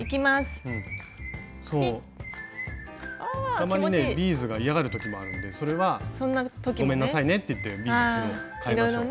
たまにねビーズが嫌がる時もあるんでそれはごめんなさいねって言ってビーズかえましょう。